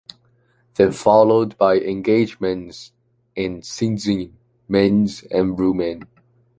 Then followed by engagements in Szczecin, Mainz and Bremen.